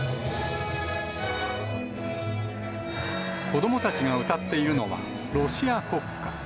子どもたちが歌っているのはロシア国歌。